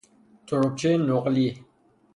تربچهٔ نقلی